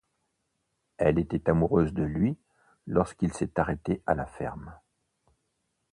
Elle était amoureuse de lui, lorsqu'il s'est arrêté à la ferme.